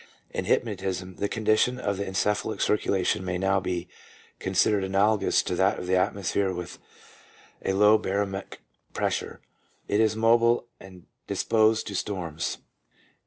In hypnotism " the con dition of the encephalic circulation may now be considered analogous to that of the atmosphere with a low baromic pressure; it is mobile and disposed to storms.